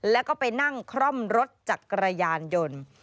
แล้วก็ไปนั่งคล่อมรถจักรยานยนต์